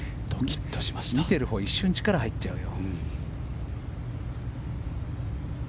見てるほう一瞬力入っちゃうよ。